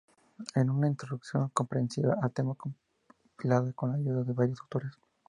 Es una introducción comprensiva a tema compilada con la ayuda de varios autores.